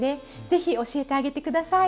ぜひ教えてあげて下さい。